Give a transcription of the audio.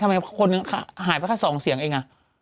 ทำไมคนนึงหายไปแค่๒เสียงเอง